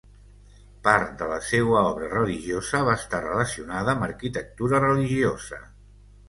Part de la seua obra religiosa va estar relacionada amb arquitectura religiosa.